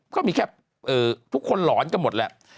ก็มีแค่เออทุกคนหลอนกันหมดแล้ว